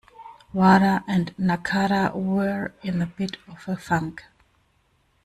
Wada and Nakata were in a bit of a funk.